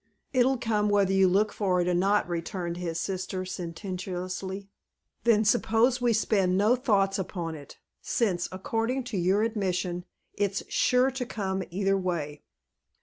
"It'll come, whether you look for it or not," returned his sister, sententiously. "Then, suppose we spend no thoughts upon it, since, according to your admission, it's sure to come either way."